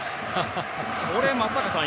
これ、松坂さん。